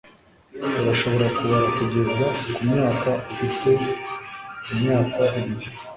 Urashobora kubara kugeza kumyaka ufite imyaka ibiri